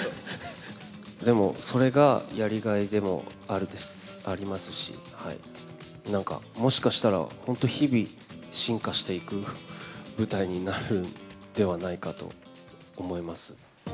でも、それがやりがいでもありますし、なんか、もしかしたら本当、日々進化していく舞台になるんではないかと思います。